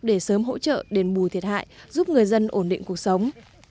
để sớm hỗ trợ đền bù thiệt hại giúp người dân ổn định cuộc sống